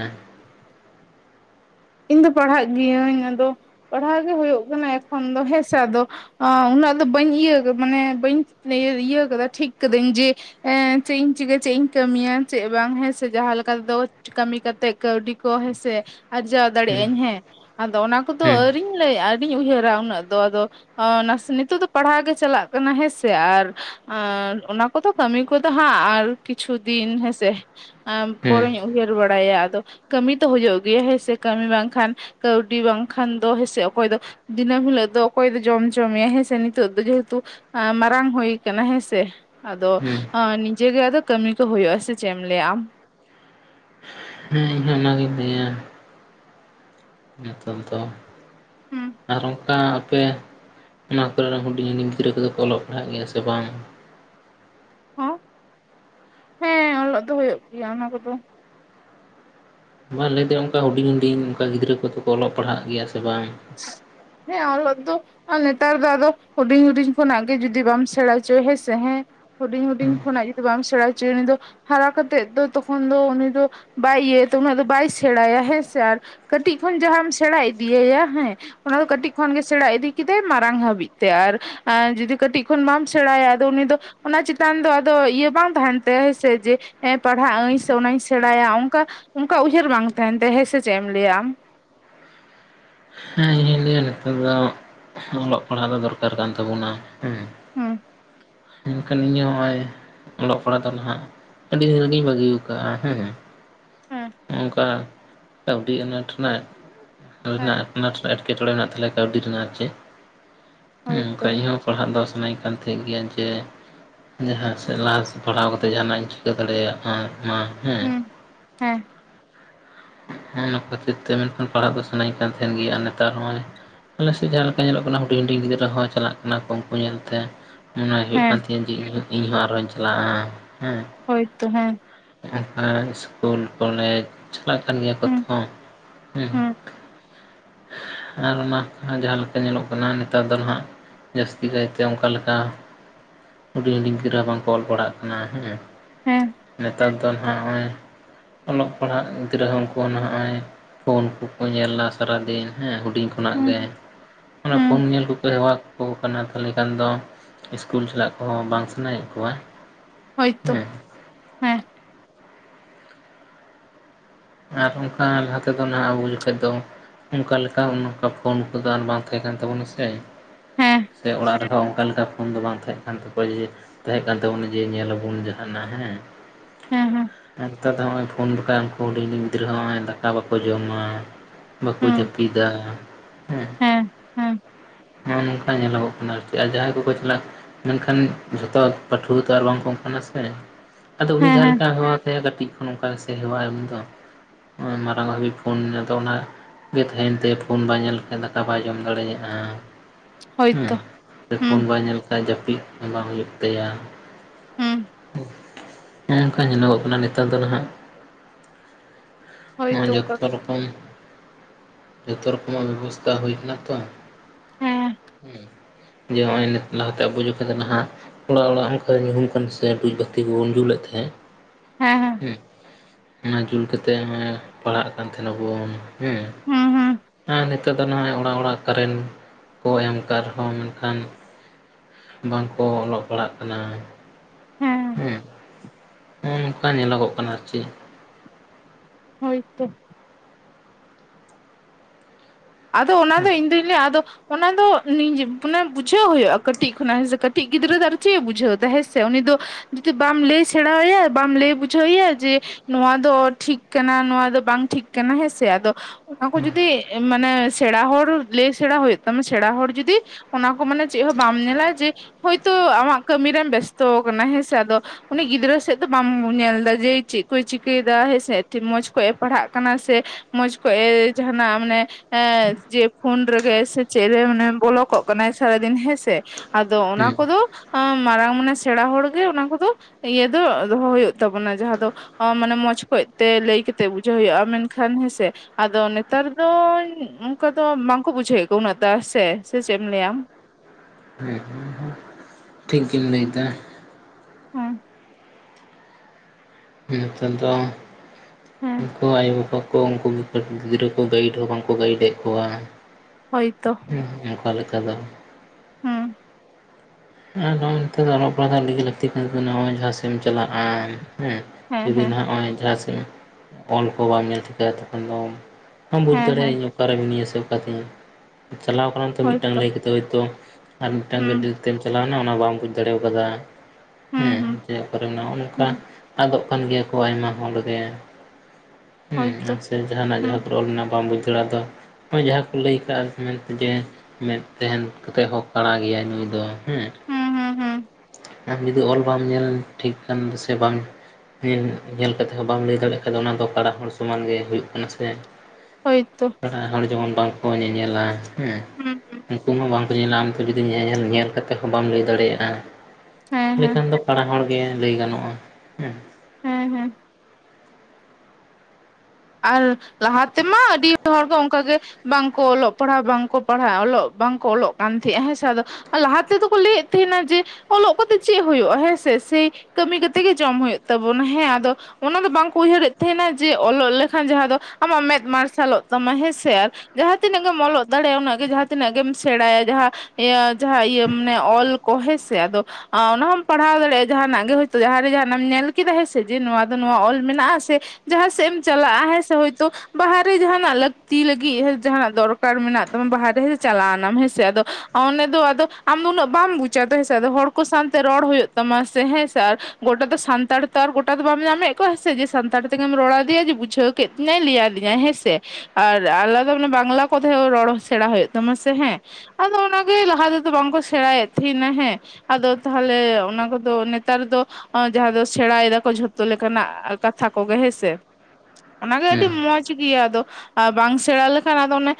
[SPEAKER 1] ᱤᱧ ᱫᱚ ᱯᱟᱲᱦᱟᱜ ᱜᱤᱭᱟᱹᱧ ᱟᱫᱚ ᱯᱟᱲᱦᱟᱜ ᱜᱮ ᱦᱩᱭᱩᱜ ᱠᱟᱱᱟ ᱮᱠᱷᱚᱱ ᱫᱚ ᱦᱮᱸ ᱥᱮ ᱟᱫᱚ ᱩᱱᱟᱹᱜ ᱫᱚ ᱵᱟᱹᱧ ᱤᱭᱟᱹᱫᱟ ᱢᱟᱱᱮ ᱵᱟᱹᱧ ᱤᱭᱟᱹ ᱠᱟᱫᱟ ᱴᱷᱤᱠ ᱠᱟᱹᱫᱟᱹᱧ ᱡᱮ ᱮ ᱪᱮᱫ ᱤᱧ ᱪᱤᱠᱟᱹᱭᱟ ᱪᱮᱫ ᱤᱧ ᱠᱟᱹᱢᱤᱭᱟ ᱪᱮᱫ ᱵᱟᱝ ᱦᱮᱸ ᱥᱮ ᱡᱟᱦᱟᱸ ᱞᱮᱠᱟ ᱛᱮᱫᱚ ᱠᱟᱹᱢᱤ ᱠᱟᱛᱮᱜ ᱠᱟᱹᱣᱰᱤ ᱠᱚ ᱦᱮᱸ ᱥᱮ ᱟᱨᱡᱟᱣ ᱫᱟᱲᱮᱭᱟᱜ ᱟᱹᱧ ᱦᱮᱸ ᱟᱫᱚ ᱚᱱᱟ ᱠᱚᱫᱚ
[SPEAKER 2] ᱦᱮᱸ
[SPEAKER 1] ᱟᱹᱣᱨᱤᱧ ᱞᱟᱹᱭᱼᱟ ᱟᱹᱰᱤᱧ ᱩᱭᱦᱟᱹᱨᱟ ᱩᱱᱟᱹᱜ ᱫᱚ ᱟᱫᱚ ᱚ ᱱᱮᱥ ᱱᱤᱛᱚᱜ ᱫᱚ ᱯᱟᱲᱦᱟᱣ ᱜᱮ ᱪᱟᱞᱟᱜ ᱠᱟᱱᱟ᱾ ᱦᱮᱸ ᱥᱮ ᱟᱨ ᱟᱨ ᱚᱱᱟ ᱠᱚᱫᱚ ᱠᱟᱹᱢᱤ ᱠᱚᱫᱚ ᱦᱟᱸᱜ ᱟᱨ ᱠᱤᱪᱷᱩ ᱫᱤᱱ ᱦᱮᱸ ᱥᱮ
[SPEAKER 2] ᱦᱮᱸ
[SPEAKER 1] ᱯᱚᱨᱮᱧ ᱩᱭᱦᱟᱹᱨ ᱵᱟᱲᱟᱭᱟ ᱟᱫᱚ ᱠᱟᱹᱢᱤ ᱛᱚ ᱦᱩᱭᱩᱜ ᱜᱮᱭᱟ ᱦᱮᱸ ᱥᱮ ᱠᱟᱹᱢᱤ ᱵᱟᱝᱠᱷᱟᱱ ᱠᱟᱹᱣᱰᱤ ᱵᱟᱝᱠᱷᱟᱱ ᱫᱚ ᱦᱮᱸ ᱥᱮ ᱚᱠᱚᱭ ᱫᱚ ᱫᱤᱱᱟᱹᱢ ᱦᱤᱞᱳᱜ ᱫᱚ ᱚᱠᱚᱭ ᱫᱚ ᱡᱚᱢᱪᱚ ᱢᱮᱭᱟ ᱦᱮᱸ ᱥᱮ ᱱᱤᱛᱚᱜ ᱫᱚ ᱡᱮᱦᱮᱛᱩ ᱢᱟᱨᱟᱝ ᱦᱩᱭ ᱠᱟᱱᱟ ᱦᱮᱸ ᱥᱮ ᱟᱫᱚ
[SPEAKER 2] ᱦᱮᱸ
[SPEAKER 1] ᱱᱤᱡᱮᱜᱮ ᱟᱫᱚ ᱠᱟᱹᱢᱤ ᱠᱚ ᱦᱩᱭᱩᱜ-ᱟ᱾ ᱥᱮ ᱪᱮᱫ ᱮᱢ ᱞᱟᱹᱭᱟ ᱟᱢ?
[SPEAKER 2] ᱦᱮᱸ ᱤᱧᱦᱚᱸ ᱚᱱᱟᱜᱤᱧ ᱞᱟᱹᱭᱟ᱾ ᱱᱤᱛᱚᱜ ᱫᱚ
[SPEAKER 1] ᱟᱢ
[SPEAKER 2] ᱟᱨ ᱚᱱᱠᱟ ᱟᱯᱮ ᱚᱱᱟ ᱠᱚᱨᱮᱱ ᱦᱩᱰᱤᱧ ᱦᱩᱰᱤᱧ ᱜᱤᱫᱽᱨᱟᱹ ᱠᱚᱫᱚ ᱠᱚ ᱚᱞᱚᱜ ᱯᱟᱲᱦᱟᱜ ᱜᱮᱭᱟ ᱥᱮ ᱵᱟᱝ
[SPEAKER 1] ᱦᱚᱸ ᱦᱮᱸ ᱚᱞᱚᱜ ᱫᱚ ᱦᱩᱭᱩᱜ ᱜᱮᱭᱟ ᱚᱱᱟ ᱠᱚᱫᱚ
[SPEAKER 2] ᱵᱟᱝ ᱞᱟᱹᱭ ᱫᱟᱝ ᱚᱱᱠᱟ ᱦᱩᱰᱤᱧᱼ ᱦᱩᱰᱤᱧ ᱚᱱᱠᱟ ᱜᱤᱫᱽᱨᱟᱹ ᱠᱚᱫᱚ ᱠᱚ ᱚᱞᱚᱜ ᱯᱟᱲᱦᱟᱜ ᱜᱮᱭᱟ ᱥᱮ ᱵᱟᱝ
[SPEAKER 1] ᱦᱮᱸ ᱚᱞ ᱫᱚ ᱟᱨ ᱱᱮᱛᱟᱨ ᱫᱚ ᱟᱫᱚ ᱦᱩᱰᱤᱧ ᱦᱩᱰᱤᱧ ᱠᱷᱚᱱᱟᱜ ᱜᱮ ᱡᱩᱫᱤ ᱵᱟᱢ ᱥᱮᱬᱟ ᱦᱚᱪᱚ ᱦᱮᱸ ᱥᱮ ᱦᱮᱸ ᱦᱩᱰᱤᱧ ᱦᱩᱰᱤᱧ ᱠᱷᱚᱱᱟᱜ ᱡᱩᱫᱤ ᱵᱟᱢ ᱥᱮᱬᱟ ᱦᱚᱪᱚᱮᱭᱟ ᱩᱱᱤ ᱫᱚ ᱦᱟᱨᱟ ᱠᱟᱛᱮᱫ ᱫᱚ ᱛᱚᱠᱷᱚᱱ ᱫᱚ ᱩᱱᱤ ᱫᱚ ᱵᱟᱭ ᱤᱭᱟᱹᱭᱟᱛᱚ ᱩᱱᱟᱹᱜ ᱫᱚ ᱵᱟᱭ ᱥᱮᱬᱟᱭᱟ ᱦᱮᱸ ᱥᱮ ᱟᱨ ᱠᱟᱹᱴᱤᱡ ᱠᱷᱚᱱ ᱡᱟᱦᱟᱸᱟᱢ ᱥᱮᱬᱟ ᱤᱫᱤᱟᱭᱟ ᱦᱮᱸ ᱚᱱᱟ ᱫᱚ ᱠᱟᱹᱴᱤᱡ ᱠᱷᱚᱱ ᱜᱮ ᱥᱮᱬᱟ ᱤᱫᱤ ᱠᱮᱫᱟᱭ ᱢᱟᱨᱟᱝ ᱦᱟᱹᱵᱤᱡ ᱛᱮ ᱟᱨ ᱟᱨ ᱡᱩᱫᱤ ᱠᱟᱹᱴᱤᱡ ᱠᱷᱚᱱ ᱵᱟᱢ ᱥᱮᱬᱟᱭᱟ ᱟᱫᱚ ᱩᱱᱤ ᱫᱚ ᱚᱱᱟ ᱪᱮᱛᱟᱱ ᱫᱚ ᱟᱫᱚ ᱤᱭᱟᱹ ᱵᱟᱝ ᱛᱟᱦᱮᱱ ᱛᱟᱭᱟ ᱦᱮᱸ ᱥᱮ ᱡᱮ ᱦᱮᱸ ᱯᱟᱲᱦᱟᱜ ᱟᱹᱧ ᱥᱮ ᱚᱱᱟᱧ ᱥᱮᱬᱟᱭᱟ ᱚᱱᱠᱟ ᱚᱱᱠᱟ ᱩᱭᱦᱟᱹᱨ ᱵᱟᱝ ᱛᱟᱦᱮᱱ ᱛᱟᱭᱟ᱾ ᱦᱮᱸ ᱥᱮ ᱪᱮᱫ ᱮᱢ ᱞᱟᱹᱭᱟ ᱟᱢ
[SPEAKER 2] ᱦᱮᱸ [unintelligible] ᱱᱮᱛᱚᱜ ᱫᱚ ᱚᱞᱚᱜ ᱯᱟᱲᱦᱟᱜ ᱫᱚ ᱫᱚᱨᱠᱟᱨ ᱠᱟᱱ ᱛᱟᱵᱚᱱᱟ᱾
[SPEAKER 1] ᱦᱮᱸ
[SPEAKER 2] ᱢᱮᱱᱠᱷᱟᱱ ᱤᱧ ᱦᱚᱸ ᱱᱚᱜ-ᱚᱭ ᱚᱞᱚᱜ ᱯᱟᱲᱦᱟᱜ ᱫᱚ ᱱᱟᱦᱟᱜ ᱟᱹᱰᱤ ᱨᱮᱜᱤᱧ ᱵᱟᱹᱜᱤ ᱟᱠᱟᱫ-ᱟ ᱦᱮᱸ
[SPEAKER 1] ᱦᱮᱸ
[SPEAKER 2] ᱦᱚᱝᱠᱟ ᱠᱟᱹᱣᱰᱤ ᱟᱱᱟᱴ ᱨᱮᱱᱟᱜ
[SPEAKER 1] ᱦᱮᱸ
[SPEAKER 2] ᱨᱮᱱᱟᱜ ᱮᱴᱠᱮᱴᱚᱬᱮ ᱢᱮᱱᱟᱜ ᱛᱟᱞᱮᱭᱟ ᱠᱟᱹᱣᱰᱤ ᱨᱮᱱᱟᱜ ᱪᱮᱫ ᱚᱱᱠᱟ
[SPEAKER 1] ᱦᱳᱭᱛᱚ
[SPEAKER 2] ᱤᱧᱦᱚᱸ ᱯᱟᱲᱦᱟᱜ ᱫᱚ ᱥᱟᱱᱟᱧ ᱠᱟᱱ ᱛᱟᱦᱮᱸᱫ ᱜᱮᱭᱟ ᱡᱮ ᱡᱟᱦᱟᱸ ᱥᱮᱫ ᱞᱟᱦᱟ ᱥᱮᱫ ᱯᱟᱲᱦᱟᱣ ᱠᱟᱛᱮᱫ ᱡᱟᱦᱟᱱᱟᱜ ᱤᱧ ᱪᱤᱠᱟᱹ ᱫᱟᱲᱮᱭᱟᱜ-ᱟ ᱢᱟ ᱦᱮᱸ
[SPEAKER 1] ᱦᱩᱸ ᱦᱮᱸ
[SPEAKER 2] ᱦᱚᱜᱼᱚᱱᱟ ᱠᱷᱟᱹᱛᱤᱨ ᱛᱮ ᱢᱮᱱᱠᱷᱟᱱ ᱯᱟᱲᱦᱟᱜ ᱫᱚ ᱥᱟᱱᱟᱧ ᱠᱟᱱ ᱛᱟᱦᱮᱱ ᱜᱮᱭᱟ ᱟᱨ ᱱᱮᱛᱟᱨ ᱦᱚᱸᱭ, ᱟᱞᱮᱥᱮᱜ ᱡᱟᱦᱟᱸ ᱞᱮᱠᱟ ᱧᱮᱞᱚᱜ ᱠᱟᱱᱟ, ᱦᱩᱰᱤᱧ ᱦᱩᱰᱤᱧ ᱜᱤᱫᱽᱨᱟᱹ ᱦᱚᱸ ᱪᱟᱞᱟᱜ ᱠᱟᱱᱟ ᱠᱚ ᱩᱱᱠᱩ ᱧᱮᱞᱛᱮ᱾ ᱢᱚᱱᱮᱭ ᱦᱩᱭᱩᱜ
[SPEAKER 1] ᱦᱮᱸ
[SPEAKER 2] ᱠᱟᱱ ᱛᱤᱧᱟᱹ ᱡᱮ ᱤᱧᱦᱚᱸ ᱟᱨᱦᱚᱸᱧ ᱪᱟᱞᱟᱜ-ᱟ ᱦᱮᱸ᱾
[SPEAKER 1] ᱦᱳᱭ ᱛᱚ ᱦᱮᱸ᱾
[SPEAKER 2] ᱟᱨ ᱤᱥᱠᱩᱞ, ᱠᱚᱞᱮᱡᱽ ᱪᱟᱞᱟᱜ ᱠᱟᱱ ᱜᱮᱭᱟ
[SPEAKER 1] ᱦᱩᱸ
[SPEAKER 2] ᱠᱚᱛᱚ ᱦᱮᱸ᱾
[SPEAKER 1] ᱦᱩᱸ [inaudible]
[SPEAKER 2] ᱟᱨ ᱚᱱᱟ ᱡᱟᱦᱟᱸ ᱞᱮᱠᱟ ᱧᱮᱞᱚᱜ ᱠᱟᱱᱟ ᱱᱮᱛᱟᱨ ᱫᱚ ᱱᱟᱦᱟᱸᱜ, ᱡᱟᱹᱥᱛᱤ ᱠᱟᱭᱛᱮ ᱚᱱᱠᱟ ᱞᱮᱠᱟ ᱦᱩᱰᱤᱧ ᱦᱩᱰᱤᱧ ᱜᱤᱫᱽᱨᱟᱹ ᱵᱟᱝᱠᱚ ᱚᱞ ᱯᱟᱲᱟᱜ ᱠᱟᱱᱟ ᱦᱮᱸ᱾
[SPEAKER 1] ᱦᱮᱸ
[SPEAKER 2] ᱱᱮᱛᱟᱨ ᱫᱚ ᱱᱟᱦᱟᱜ ᱦᱚᱜᱼᱚᱭ ᱚᱞᱚᱜ ᱯᱟᱲᱦᱟᱜ, ᱜᱤᱫᱽᱨᱟᱹ ᱦᱚᱸ ᱩᱱᱠᱩ ᱱᱚᱜ-ᱚᱭ ᱯᱷᱳᱱ ᱠᱚᱠᱚ ᱧᱮᱞᱟ ᱥᱟᱨᱟᱫᱤᱱ ᱦᱮᱸ ᱦᱩᱰᱤᱧ ᱠᱷᱚᱱᱟᱜ ᱜᱮ᱾
[SPEAKER 1] ᱦᱩᱸ
[SPEAKER 2] ᱚᱱᱟ
[SPEAKER 1] ᱦᱩᱸ
[SPEAKER 2] ᱯᱷᱳᱱ ᱧᱮᱞ ᱠᱚᱠᱚ ᱦᱮᱣᱟ ᱠᱟᱠᱚ ᱠᱟᱱᱟ ᱛᱟᱦᱚᱞᱮ ᱠᱷᱟᱱ ᱫᱚ, ᱤᱥᱠᱩᱞ ᱪᱟᱞᱟᱜ ᱠᱚᱦᱚᱸ ᱵᱟᱝ ᱥᱟᱱᱟᱭᱮᱜ ᱠᱚᱣᱟ᱾
[SPEAKER 1] ᱦᱳᱭᱛᱳ᱾
[SPEAKER 2] ᱦᱮᱸ ᱟᱨ ᱚᱱᱠᱟ ᱞᱟᱦᱟ ᱛᱮᱫᱚ ᱱᱟᱦᱟᱜ ᱟᱵᱚ ᱡᱚᱠᱷᱟ ᱫᱚ, ᱚᱱᱠᱟ ᱞᱮᱠᱟ ᱚᱱᱠᱟ ᱯᱷᱳᱱ ᱠᱚᱫᱚ ᱟᱨ ᱵᱟᱝ ᱛᱟᱦᱮᱸ ᱠᱟᱱ ᱛᱟᱵᱚᱱᱟ ᱥᱮ᱾
[SPEAKER 1] ᱦᱮᱸ
[SPEAKER 2] ᱥᱮ ᱚᱲᱟᱜ ᱨᱮᱦᱚᱸ ᱚᱱᱠᱟ ᱞᱮᱠᱟ ᱯᱷᱳᱱ ᱫᱚ ᱵᱟᱝ ᱛᱟᱦᱮᱸ ᱠᱟᱱ ᱛᱟᱠᱚᱣᱟ ᱡᱮ ᱛᱟᱸᱦᱮ ᱠᱟᱱ ᱛᱟᱵᱳᱱᱟ ᱡᱮ ᱧᱮᱞᱟᱵᱚᱱ ᱡᱟᱦᱟᱱᱟᱜ ᱦᱮᱸ᱾
[SPEAKER 1] ᱦᱮᱸ ᱦᱮᱸ
[SPEAKER 2] ᱟᱨ ᱱᱮᱛᱟᱨ ᱫᱚ ᱦᱚᱸᱜᱼᱚᱭ ᱯᱷᱳᱱ ᱵᱟᱠᱷᱟᱡ, ᱰᱩᱰᱤᱧ ᱦᱩᱰᱤᱧ ᱜᱤᱫᱽᱨᱟᱹ ᱦᱚᱸᱜᱼᱚᱭ ᱫᱟᱠᱟ ᱵᱟᱠᱚ ᱡᱚᱢᱟ ᱵᱟᱠᱚ
[SPEAKER 1] ᱦᱩᱸ
[SPEAKER 2] ᱡᱟᱹᱯᱤᱫᱟ᱾ ᱦᱮᱸ, ᱱᱚᱜ-ᱚ ᱱᱚᱝᱠᱟ ᱧᱮᱞᱚᱜᱚᱜ ᱠᱟᱱᱟ ᱟᱨᱠᱤ᱾ ᱟᱨ ᱡᱟᱦᱟᱸᱭ ᱠᱚᱠᱚ ᱪᱟᱞᱟᱜ ᱢᱮᱱᱠᱷᱟᱱ ᱡᱷᱚᱛᱚ ᱯᱟᱹᱴᱷᱩᱣᱟᱹ ᱛᱚ ᱟᱨ ᱵᱟᱝᱠᱚ ᱚᱱᱠᱟᱱᱟ ᱥᱮ᱾ ᱟᱫᱚ ᱩᱱᱤ
[SPEAKER 1] ᱦᱮᱸ
[SPEAKER 2] ᱡᱟᱦᱟ
[SPEAKER 1] ᱦᱮᱸ
[SPEAKER 2] ᱞᱮᱠᱟ ᱦᱮᱣᱟ ᱠᱟᱭᱟ ᱠᱟᱹᱴᱤᱡ ᱠᱷᱚᱱ ᱚᱱᱠᱟ ᱜᱮ ᱥᱮ ᱦᱮᱣᱟᱜ ᱟᱭ ᱩᱱᱤ ᱫᱚ᱾ ᱢᱟᱨᱟᱝ ᱦᱟᱹᱵᱤᱡ ᱯᱷᱳᱱ ᱟᱫᱚ ᱱᱟᱜ, ᱜᱮ ᱛᱟᱦᱮᱱ ᱛᱮ ᱯᱷᱳᱱ ᱵᱟᱭ ᱧᱮᱞ ᱞᱮᱠᱷᱟᱡ ᱫᱟᱠᱟ ᱵᱟᱭ ᱡᱚᱢ ᱫᱟᱲᱮᱭᱟᱜᱼᱟ᱾
[SPEAKER 1] ᱦᱳᱭᱛᱚ
[SPEAKER 2] ᱦᱮᱸ ᱯᱷᱳᱱ
[SPEAKER 1] ᱦᱩᱸ
[SPEAKER 2] ᱵᱟᱭ ᱧᱮᱞ ᱠᱷᱟᱡ ᱡᱟᱹᱯᱤᱫ ᱦᱚᱸ ᱵᱟᱝ ᱦᱩᱭᱩᱜ ᱛᱟᱭᱟ᱾
[SPEAKER 1] ᱦᱩᱸ
[SPEAKER 2] ᱦᱚᱸᱜ-ᱚ ᱱᱚᱱᱠᱟ ᱧᱮᱞᱚᱜᱚᱜ ᱠᱟᱱᱟ ᱱᱮᱛᱟᱨ ᱫᱚ ᱱᱟᱦᱟᱜ, ᱦᱚᱸ
[SPEAKER 1] ᱦᱳᱭᱛᱚ ᱚᱱᱠᱟ
[SPEAKER 2] ᱡᱚᱛᱚ
[SPEAKER 1] ᱜᱮ
[SPEAKER 2] ᱨᱚᱠᱚᱢ, ᱡᱚᱛᱚ ᱨᱚᱠᱚᱢᱟᱜ ᱵᱮᱵᱚᱥᱛᱷᱟ ᱦᱩᱭ ᱠᱟᱱᱟ ᱛᱚ ᱦᱮᱸ᱾
[SPEAKER 1] ᱦᱮᱸ
[SPEAKER 2] ᱡᱮ ᱦᱚᱜᱼᱚᱭ ᱱᱮ ᱞᱟᱦᱟᱛᱮ ᱟᱵᱚ ᱡᱚᱠᱷᱟᱡ ᱫᱚ ᱱᱟᱦᱟᱜ ᱚᱲᱟᱜ ᱚᱲᱟᱜ ᱚᱱᱠᱟ ᱧᱩᱦᱩᱢ ᱠᱟᱱ ᱥᱮ ᱰᱩᱡᱽ ᱵᱟᱹᱛᱤ ᱠᱚᱵᱚᱱ ᱡᱩᱞᱮᱫ ᱛᱟᱦᱮᱸᱫ ᱦᱮᱸ᱾ ᱚᱱᱟ ᱡᱩᱞ ᱠᱟᱛᱮ, ᱛᱮ ᱦᱚᱸᱜᱚᱭ ᱯᱟᱲᱦᱟᱜ ᱠᱟᱱ ᱛᱟᱦᱮᱱᱟᱵᱚᱱ, ᱦᱮᱸ
[SPEAKER 1] ᱦᱩᱸ ᱦᱩᱸ
[SPEAKER 2] ᱟᱨ ᱱᱤᱛᱚᱜ ᱫᱚ ᱱᱚᱜ-ᱚᱭ ᱚᱲᱟᱜ ᱚᱲᱟᱜ ᱠᱟᱨᱮᱱᱴ ᱠᱚ ᱮᱢ ᱠᱟᱜ ᱨᱮᱦᱚᱸ ᱢᱮᱱᱠᱷᱟᱱ ᱵᱟᱝᱠᱚ ᱚᱞᱚᱜ ᱯᱟᱲᱦᱟᱜ ᱠᱟᱱᱟ᱾ ᱦᱮᱸ᱾ ᱱᱚᱜᱼᱚ ᱱᱚᱝᱠᱟ ᱧᱮᱞᱚᱜᱚᱜ ᱠᱟᱱᱟ ᱟᱨ ᱪᱮᱜ᱾
[SPEAKER 1] ᱦᱳᱭ ᱛᱚ᱾ ᱟᱫᱚ ᱚᱱᱟ ᱫᱚ ᱤᱧ ᱫᱚᱭ ᱞᱟᱹᱭᱟ ᱟᱫᱚ, ᱚᱱᱟ ᱫᱚ ᱱᱮᱡᱮ, ᱢᱟᱱᱮ ᱵᱩᱡᱷᱟᱹᱣ ᱦᱩᱭᱩᱜᱼᱟ᱾ ᱠᱟᱹᱴᱤᱡ ᱠᱷᱚᱱᱟᱜ ᱦᱮᱸ ᱥᱮ ᱠᱟᱹᱴᱤᱡ ᱜᱤᱫᱽᱨᱟᱹ ᱫᱚ ᱟᱨ ᱪᱮᱫ ᱮ ᱵᱩᱡᱷᱟᱹᱣ ᱫᱟ᱾ ᱦᱮᱸ ᱥᱮ ᱩᱱᱤ ᱫᱚ ᱡᱩᱫᱤ ᱵᱟᱢ ᱞᱟᱹᱭ ᱥᱮᱬᱟᱣᱟᱭᱟ ᱵᱟᱢ ᱞᱟᱹᱭ ᱵᱩᱡᱷᱟᱹᱣᱮᱭᱟ ᱡᱮ, ᱱᱚᱣᱟ ᱫᱚ ᱴᱷᱤᱠ ᱠᱟᱱᱟ ᱱᱚᱣᱟ ᱫᱚ ᱵᱟᱝ ᱴᱷᱤᱠ ᱠᱟᱱᱟ ᱦᱮᱸᱥᱮ ᱟᱫᱚ ᱚᱱᱟ ᱠᱚ ᱡᱚᱫᱤ, ᱢᱟᱱᱮ ᱥᱮᱬᱟ ᱦᱚᱲ ᱞᱟᱹᱭ ᱥᱮᱬᱟ ᱦᱩᱭᱩᱜ ᱛᱟᱢᱟ᱾ ᱥᱮᱬᱟ ᱦᱚᱲ ᱡᱩᱫᱤ ᱚᱱᱟ ᱠᱚ ᱢᱟᱱᱮ ᱪᱮᱜ ᱦᱚᱸ ᱵᱟᱢ ᱧᱮᱞᱟ ᱡᱮ ᱦᱳᱭ ᱛᱚ ᱟᱢᱟᱜ ᱠᱟᱹᱢᱤ ᱨᱮᱢ ᱵᱮᱥᱛᱚ ᱠᱟᱱᱟ ᱦᱮᱸᱥᱮ ᱟᱫᱚ ᱩᱱᱤ ᱜᱤᱫᱽᱨᱟᱹ ᱥᱮᱜ ᱫᱚ ᱵᱟᱢ ᱧᱮᱞ ᱫᱟ ᱡᱮ ᱪᱮᱫ ᱠᱚᱭ ᱪᱤᱠᱟᱹᱭ ᱫᱟ ᱦᱮᱴᱳᱭ ᱥᱮ ᱢᱚᱸᱡᱽ ᱚᱠᱚᱡ ᱮ ᱯᱟᱲᱦᱟᱜ ᱠᱟᱱᱟ ᱥᱮ ᱢᱚᱸᱡᱽ ᱠᱚᱡ ᱮ ᱡᱟᱦᱱᱟᱜ ᱢᱟᱱᱮ ᱦᱮᱸ ᱡᱮ ᱯᱷᱳᱱ ᱨᱮᱜᱮ ᱥᱮ ᱪᱮᱜ ᱨᱮ ᱚᱱᱮ ᱵᱚᱞᱚᱠᱚᱜ ᱠᱟᱱᱟᱭ ᱥᱟᱨᱟᱫᱤᱱ ᱦᱮᱸᱥᱮ, ᱟᱫᱚ ᱚᱱᱟ
[SPEAKER 2] ᱦᱮᱸ
[SPEAKER 1] ᱠᱚᱫᱚ ᱢᱟᱨᱟᱝ ᱢᱟᱱᱮ ᱥᱮᱬᱟ ᱦᱚᱲ ᱜᱮ ᱚᱱᱟ ᱠᱚᱫᱚ ᱤᱭᱟᱹ ᱫᱚ ᱫᱚᱦᱚ ᱦᱩᱭᱩᱜ ᱛᱟᱵᱚᱱᱟ ᱡᱟᱦᱟᱸ ᱫᱚ, ᱢᱟᱱᱮ ᱢᱚᱸᱡᱽ ᱚᱠᱚᱡ ᱛᱮ ᱞᱟᱹᱭ ᱠᱟᱛᱮᱜ ᱵᱩᱡᱷᱟᱹᱣ ᱦᱩᱭᱩᱜᱼᱟ᱾ ᱢᱮᱱᱠᱷᱟᱱ ᱦᱮᱸᱥᱮ ᱟᱫᱚ ᱱᱮᱛᱟᱨ ᱫᱚ ᱚᱱᱠᱟ ᱫᱚ ᱵᱟᱝᱠᱚ ᱵᱩᱡᱷᱟᱹᱣᱮᱜ ᱠᱚᱣᱟ ᱩᱱᱟᱹᱜ ᱫᱟ ᱥᱮ ᱥᱮᱪᱮᱫ ᱮᱢ ᱞᱟᱹᱭᱟ ᱟᱢ?
[SPEAKER 2] ᱦᱮᱸᱻ ᱴᱷᱤᱠᱜᱮᱢ ᱞᱟᱹᱭ ᱫᱟ᱾
[SPEAKER 1] ᱦᱮᱸ
[SPEAKER 2] ᱱᱮᱛᱟᱨ ᱫᱚ
[SPEAKER 1] ᱦᱮᱸ
[SPEAKER 2] ᱩᱱᱠᱩ ᱟᱭᱳ ᱵᱟᱵᱟ ᱠᱚ ᱠᱚ ᱩᱱᱠᱩ ᱠᱟᱹᱴᱤᱡ ᱜᱤᱫᱽᱨᱟᱹ ᱠᱚ ᱜᱟᱭᱤᱰ ᱦᱚᱸ ᱵᱟᱝᱠᱚ ᱜᱟᱭᱤᱰ ᱮᱜ ᱠᱚᱣᱟᱸ
[SPEAKER 1] ᱦᱳᱭᱛᱚ
[SPEAKER 2] ᱚᱱᱠᱟ ᱞᱮᱠᱟ ᱞᱮᱠᱟ ᱫᱚ ᱾
[SPEAKER 1] ᱦᱮᱸ
[SPEAKER 2] ᱟᱨ ᱱᱚᱜᱚᱭ ᱛᱮ ᱫᱚ ᱚᱞᱚᱜ ᱯᱟᱲᱦᱟᱜ ᱫᱚ ᱱᱤᱡᱮ ᱞᱟᱹᱠᱛᱤ ᱠᱟᱱ ᱛᱟᱵᱚᱱᱟ, ᱱᱚᱜᱼᱚᱭ ᱡᱟᱦᱟᱸᱥᱮᱫ ᱮᱢ ᱪᱟᱞᱟᱜᱼᱟ ᱾ ᱦᱮᱸ
[SPEAKER 1] ᱦᱮᱸ
[SPEAKER 2] ᱡᱩᱫᱤ
[SPEAKER 1] ᱦᱮᱸ
[SPEAKER 2] ᱱᱟᱦᱟᱸᱜ ᱱᱚᱜᱼᱚᱭ ᱡᱟᱦᱟᱸ ᱥᱮᱜ ᱚᱞ ᱠᱚ ᱵᱟᱢ ᱧᱮᱞ ᱴᱷᱤᱠᱟᱹᱟ ᱛᱚᱠᱷᱚᱱ ᱫᱚᱢ ᱵᱩᱡ
[SPEAKER 1] ᱦᱮᱸ ᱦᱮᱸ
[SPEAKER 2] ᱫᱟᱲᱮᱭᱟᱜᱼᱟ ᱤᱧ ᱚᱠᱟᱨᱮ ᱢᱤᱱᱟᱹᱧᱟ, ᱥᱮ ᱚᱠᱟ ᱛᱮ ᱤᱧ ᱪᱟᱞᱟᱣ ᱠᱟᱱᱟᱢ ᱛᱚ ᱢᱤᱫᱴᱟᱝ
[SPEAKER 1] ᱦᱳᱭᱛᱚ
[SPEAKER 2] ᱞᱟᱹᱭ ᱠᱟᱛᱮ ᱦᱚᱭ ᱛᱚ ᱟᱨ ᱢᱤᱫᱴᱟᱝ ᱜᱟᱹᱰᱤ
[SPEAKER 1] ᱦᱩᱸ
[SPEAKER 2] ᱛᱮᱢ ᱪᱟᱞᱟᱣᱱᱟ ᱚᱱᱟ ᱵᱟᱢ ᱵᱩᱡᱽ ᱫᱟᱲᱮᱣ ᱠᱟᱫᱟ ᱾
[SPEAKER 1] ᱦᱩᱸ
[SPEAKER 2] ᱦᱮᱸ
[SPEAKER 1] ᱦᱩᱸ
[SPEAKER 2] ᱡᱮ ᱚᱠᱟᱨᱮ ᱢᱮᱱᱟᱜᱼᱟ ᱱᱚᱜᱼᱱᱝᱠᱟ
[SPEAKER 1] ᱦᱩᱸ
[SPEAKER 2] ᱟᱫᱚᱜ ᱠᱟᱱ ᱜᱮᱭᱟ ᱠᱚ ᱾ ᱠᱚ ᱟᱭᱢᱟ ᱚᱰᱮ ᱦᱮᱸ,
[SPEAKER 1] ᱦᱳᱭᱛᱚ
[SPEAKER 2] ᱟᱨ ᱥᱮ ᱡᱟᱦᱟᱸᱱᱟᱜ
[SPEAKER 1] ᱦᱩᱸ
[SPEAKER 2] ᱡᱟᱦᱟᱸ ᱠᱚ ᱚᱞ ᱢᱮᱱᱱᱟᱜᱼᱟ, ᱵᱟᱢ ᱵᱩᱡᱽ ᱫᱟᱲᱮᱭᱟᱜᱼᱟ ᱛᱚ ᱱᱚᱜᱚᱭ ᱡᱟᱦᱟᱸ ᱠᱚ ᱞᱟᱹᱭ ᱠᱟᱜᱼᱟ ᱢᱮᱱᱛᱮ ᱡᱮ ᱢᱮᱫ ᱛᱮᱦᱮᱱ ᱠᱟᱛᱮᱜ ᱦᱚᱸ ᱠᱟᱲᱟ ᱜᱮᱭᱟ ᱱᱩᱭ ᱫᱚ ᱾ ᱦᱩᱸᱻ,
[SPEAKER 1] ᱦᱩᱸ ᱦᱩᱸ ᱦᱩᱸ
[SPEAKER 2] ᱟᱢ ᱡᱩᱫᱤ ᱚᱞ ᱵᱟᱢ ᱧᱮᱞ ᱴᱷᱤᱠ ᱠᱟᱱ ᱥᱮ ᱵᱟᱢ ᱧᱮᱞ ᱠᱟᱛᱮ ᱦᱚᱸ ᱵᱟᱢ ᱞᱟᱹᱭ ᱫᱟᱲᱮᱜ ᱠᱷᱟᱱ, ᱚᱱᱟ ᱫᱚ ᱠᱟᱸᱲᱟ ᱦᱚᱲ ᱥᱚᱢᱟᱱ ᱜᱮ ᱦᱩᱭᱩᱜ ᱠᱟᱱᱟ ᱥᱮ ᱾
[SPEAKER 1] ᱦᱳᱭ ᱛᱚ
[SPEAKER 2] ᱠᱟᱲᱟ ᱦᱚᱲ ᱡᱮᱢᱚᱱ ᱵᱟᱝᱠᱚ ᱧᱮᱧᱮᱞᱟ
[SPEAKER 1] ᱦᱩᱸ ᱦᱩᱸ
[SPEAKER 2] ᱦᱮᱸ ᱩᱱᱠᱩ ᱦᱚᱸ ᱵᱟᱝ ᱠᱚ ᱧᱮᱞᱟ ᱟᱢ ᱡᱩᱫᱤ ᱧᱮᱞ, ᱧᱮᱞ ᱠᱟᱛᱮ ᱦᱚᱸ ᱵᱟᱢ ᱞᱟᱹᱭ ᱫᱟᱲᱮᱭᱟᱜᱼᱟ ᱾
[SPEAKER 1] ᱦᱮᱸ ᱦᱮᱸ
[SPEAKER 2] ᱞᱮᱠᱷᱟᱱ ᱫᱚ ᱠᱟᱸᱲᱟ ᱦᱚᱲ ᱜᱮ ᱞᱟᱹᱭ ᱜᱟᱱᱚᱜᱼᱟ, ᱦᱮᱸ
[SPEAKER 1] ᱦᱮᱸᱻᱦᱮᱸᱻ᱾ ᱟᱨ ᱞᱟᱦᱟ ᱛᱮᱢᱟ ᱟᱹᱰᱤ ᱦᱚᱲ ᱠᱚ ᱚᱱᱠᱟᱜᱮ- ᱵᱟᱝᱠᱚ ᱚᱞᱚᱜ ᱯᱟᱲᱦᱟᱜ ᱵᱟᱝᱠᱚ ᱯᱟᱲᱦᱟᱜᱼᱟ ᱚᱞᱚᱜ ᱵᱟᱝᱠᱚ ᱚᱞᱚᱜ ᱠᱟᱱ ᱛᱟᱦᱮᱸᱼᱟ ᱦᱮᱸ ᱥᱮ ᱟᱫᱚ ᱞᱟᱦᱟ ᱛᱮᱫᱚ ᱠᱚ ᱞᱟᱹᱭᱮᱜ ᱛᱟᱦᱮᱸᱱᱟ ᱡᱮ ᱚᱞᱚᱜ ᱠᱟᱛᱮᱜ ᱪᱮᱜ ᱦᱩᱭᱩᱜᱼᱟ ᱦᱮᱸᱥᱮ, ᱥᱮᱭ ᱠᱟᱹᱢᱤ ᱠᱟᱛᱮᱜ ᱜᱮ ᱡᱚᱢ ᱦᱩᱭᱩᱜ ᱛᱟᱵᱚᱱᱟ ᱦᱮᱸ ᱟᱫᱚ ᱚᱱᱟ ᱫᱚ ᱵᱟᱝᱠᱚ ᱩᱭᱦᱟᱹᱨᱮᱜ ᱛᱟᱦᱮᱸᱱᱟ ᱡᱮ, ᱚᱞᱚᱜ ᱞᱮᱠᱷᱟᱱ ᱡᱟᱦᱟᱸ ᱫᱚ ᱟᱢᱟᱜ ᱢᱮᱫ ᱢᱟᱨᱥᱟᱞᱚᱜ ᱛᱟᱢᱟ, ᱦᱮᱸᱥᱮ ᱟᱨ ᱡᱟᱦᱟᱸ ᱛᱤᱱᱟᱹᱜ ᱜᱮᱢ ᱚᱞᱚᱜ ᱫᱟᱲᱮᱜ ᱩᱱᱟᱹᱜ ᱜᱮ ᱡᱟᱦᱟᱸ ᱛᱤᱱᱟᱹᱜ ᱜᱮᱢ ᱥᱮᱬᱟᱭᱟ ᱡᱟᱦᱟᱸ ᱤᱭᱟᱹ ᱡᱟᱦᱟᱸ ᱤᱭᱟᱹ ᱢᱟᱱᱮ ᱚᱞ ᱠᱚ ᱦᱮᱸ ᱥᱮ ᱟᱫᱚ ᱚᱱᱟ ᱦᱚᱸᱢ ᱯᱟᱲᱦᱟᱣ ᱫᱟᱲᱮᱭᱟᱜᱼᱟ, ᱡᱟᱦᱟᱸᱱᱟᱜ ᱜᱮ ᱦᱳᱭ ᱛᱚ ᱡᱟᱦᱟᱸᱨᱮ ᱡᱟᱦᱟᱸᱱᱟᱜ ᱮᱢ ᱧᱮᱞ ᱠᱮᱫᱟ ᱦᱮᱸ ᱥᱮ ᱡᱮ ᱱᱚᱣᱟ ᱫᱚ ᱱᱚᱣᱟ ᱚᱞ ᱢᱮᱱᱟᱜᱼᱟ᱾ ᱥᱮ ᱡᱟᱦᱟᱸ ᱥᱮᱫᱴᱜ ᱮᱢ ᱪᱟᱞᱟᱜᱼᱟ ᱾ ᱦᱮᱸ ᱥᱮ ᱦᱳᱭ ᱛᱚ ᱵᱟᱦᱟ ᱨᱮ ᱡᱟᱦᱟᱸᱱᱟᱜ ᱞᱟᱹᱠᱛᱤ ᱞᱟᱹᱜᱤᱜ ᱡᱟᱦᱟᱸᱱᱟᱜ ᱫᱚᱨᱠᱟᱨ ᱢᱮᱱᱟᱜ ᱛᱟᱢᱟ ᱵᱟᱦᱟ ᱨᱮ ᱪᱟᱞᱟᱣᱱᱟᱢ ᱦᱮᱸᱥᱮ ᱟᱫᱚ ᱚᱱᱮ ᱫᱚ ᱟᱫᱚ ᱟᱢ ᱩᱱᱟᱹᱜ ᱵᱟᱢ ᱵᱩᱡᱟ ᱛᱚ ᱦᱮᱸ ᱥᱮ ᱟᱫᱚ ᱦᱚᱲ ᱠᱚ ᱥᱟᱶᱛᱮ ᱨᱚᱲ ᱦᱩᱭᱩᱜ ᱛᱟᱢᱟ ᱥᱮ ᱦᱮᱸ ᱥᱮ ᱟᱨ ᱜᱚᱴᱟ ᱫᱚ ᱥᱟᱱᱛᱟᱲ ᱛᱚ ᱟᱨ ᱜᱚᱴᱟ ᱫᱚ ᱵᱟᱢ ᱧᱟᱢᱮᱜ ᱠᱚᱣᱟ ᱥᱮ ᱡᱮ, ᱥᱟᱱᱛᱟᱲ ᱛᱮᱜᱮᱢ ᱨᱚᱲᱟᱫᱮᱭᱟ ᱡᱮ ᱵᱩᱡᱷᱟᱹᱣ ᱠᱮᱜ ᱛᱤᱧᱟᱭ ᱞᱟᱹᱭ ᱟᱫᱤᱧᱟᱭ ᱦᱮᱸ ᱥᱮ ᱾ ᱟᱨ ᱟᱞᱟᱫᱟ ᱢᱟᱱᱮ ᱵᱟᱝᱞᱟ ᱠᱚᱛᱮ ᱦᱚᱸ ᱨᱚᱲ ᱥᱮᱬᱟ ᱦᱳᱭᱳᱜ ᱛᱟᱢᱟ ᱥᱮ ᱦᱮᱸ ᱟᱫᱚ ᱚᱱᱟᱜᱮ ᱞᱟᱦᱟ ᱛᱮᱫᱚ ᱵᱟᱝᱠᱚ ᱥᱮᱲᱟᱭᱮᱜ ᱛᱟᱦᱮᱸᱱᱟ ᱦᱮᱸ ᱟᱫᱚ ᱛᱟᱦᱚᱞᱮ ᱚᱱᱟ ᱠᱚᱫᱚ ᱱᱮᱛᱟᱨ ᱫᱚ ᱚᱸ ᱡᱟᱦᱟᱸ ᱫᱚ ᱥᱮᱬᱟᱭ ᱫᱟᱠᱚ ᱡᱷᱚᱛᱚ ᱞᱮᱠᱟᱱᱟᱜ ᱠᱟᱛᱷᱟ ᱠᱚᱜᱮ ᱦᱮᱸ ᱥᱮ ᱾ ᱚᱱᱟᱜᱮ ᱟᱹᱰᱤ
[SPEAKER 2] ᱦᱮᱸ
[SPEAKER 1] ᱢᱚᱸᱡᱽ ᱜᱮᱭᱟ ᱟᱫᱚ, ᱵᱟᱝ ᱥᱮᱬᱟ ᱞᱮᱠᱷᱟᱱ ᱟᱫᱚ ᱚᱱᱮ